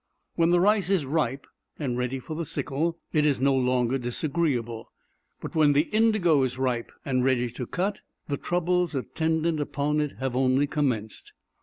When the rice is ripe, and ready for the sickle, it is no longer disagreeable; but when the indigo is ripe and ready to cut, the troubles attendant upon it have only commenced.